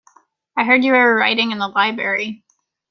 I heard you were writing in the library.